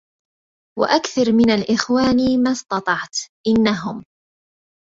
وأكثر من الإخوان ما اسطعت إنهم